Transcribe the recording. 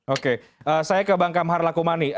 oke saya ke bang kamhar lakumani